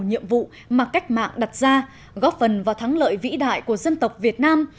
nhiệm vụ mà cách mạng đặt ra góp phần vào thắng lợi vĩ đại của dân tộc việt nam